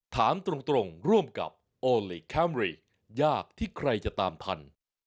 ถามตรงร่วมกับโอลี่คัมรี่ยากที่ใครจะตามทัน